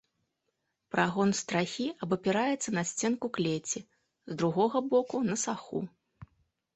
Прагон страхі абапіраецца на сценку клеці, з другога боку на саху.